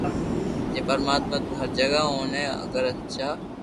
ھين پرماتما تو ھر جگھ ھوئي تو اگر سچا